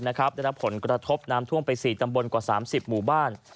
ได้รับผลกระทบน้ำท่วมไป๔ตำบลกว่า๓๐หมู่บ้าน